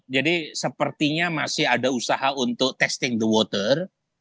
jadi sepertinya masih ada usaha untuk testing the water